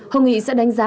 hồng nghị sẽ đánh giá